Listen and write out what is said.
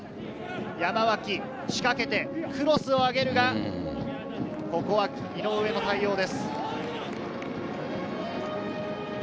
山脇、仕掛けてクロスを上げるが、ここは井上の対応です。